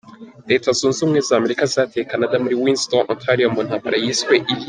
Leta zunze ubumwe za Amerika zateye Canada muri Windsor, Ontario mu ntambara yiswe iy’.